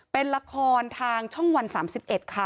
เป็นละครทางช่องวัน๓๑ค่ะ